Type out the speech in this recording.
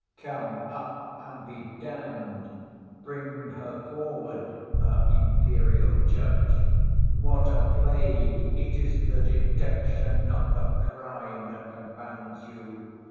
—— Come up, and be d—n'd—Bring her forward, her imperial judge—What a plague, it is the detection, not the crime, that confounds you.